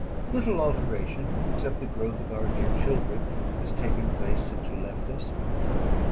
"Little alteration, except the growth of our dear children, has taken place since you left us.